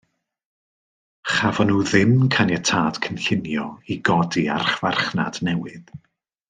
Chafon nhw ddim caniatâd cynllunio i godi archfarchnad newydd.